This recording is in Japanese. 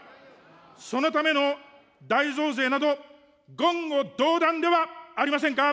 そのための大増税など、言語道断ではありませんか。